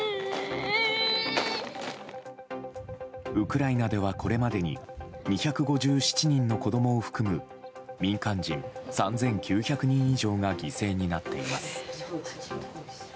ウクライナではこれまでに２５７人の子供を含む民間人３９００人以上が犠牲になっています。